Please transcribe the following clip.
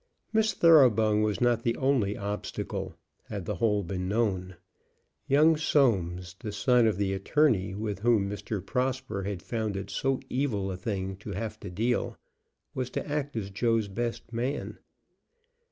Miss Thoroughbung was not the only obstacle, had the whole been known. Young Soames, the son of the attorney with whom Mr. Prosper had found it so evil a thing to have to deal, was to act as Joe's best man.